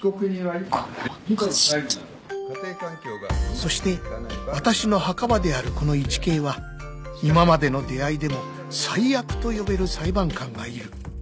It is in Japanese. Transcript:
［そして私の墓場であるこのイチケイは今までの出会いでも最悪と呼べる裁判官がいる］